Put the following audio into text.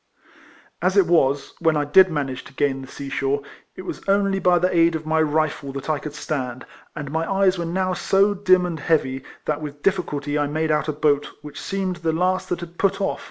As it waSj when I did manage to gain the sea shore, it was only by the aid of my rifle that I could stand, and my eyes were now so dim and heavy that with difiiculty I made out a boat which seemed the last that had put oif.